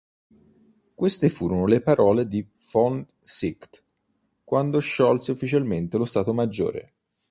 Queste furono le parole di von Seeckt quando sciolse ufficialmente lo stato maggiore.